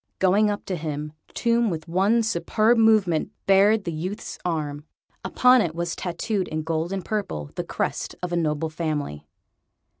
Going up to him, Tomb, with one superb movement, bared the youth's arm. Upon it was tattooed, in gold and purple, the crest of a noble family.